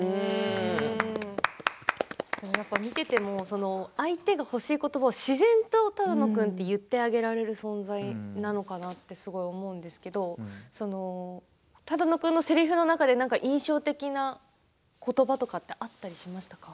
見ていても相手が欲しいことばを自然と只野君って言ってあげられるっていう存在なのかなってすごい思うんですけど只野君のせりふの中で印象的なことばとかってあったりしましたか。